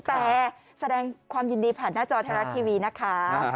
แต่แสดงความยินดีผ่านหน้าจอไทยรัฐทีวีนะคะ